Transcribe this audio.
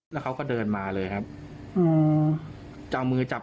แล้วเขาก็เดินมาเลยครับ